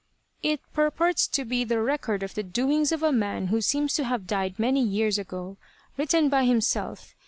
"It purports to be the record of the doings of a man who seems to have died here many years ago, written by himself.